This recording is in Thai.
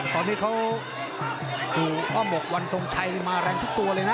เพราะที่เขามกวันทรงชัยมาแรงทุกตัวเลยนะ